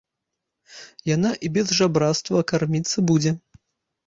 Яна і без жабрацтва карміцца будзе!